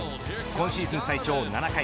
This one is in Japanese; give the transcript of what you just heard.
今シーズン最長７回